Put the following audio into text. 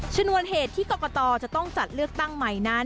ชนวนเหตุที่กรกตจะต้องจัดเลือกตั้งใหม่นั้น